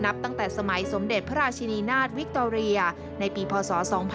นับตั้งแต่สมเด็จพระอาชินีนาธิวิกตอเรียในปีพศ๒๔๐๐